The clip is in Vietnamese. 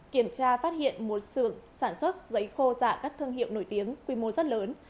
kiểm tra phát hiện một sưởng sản xuất giấy khô giả các thương hiệu nổi tiếng quy mô rất lớn